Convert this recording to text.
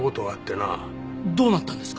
どうなったんですか？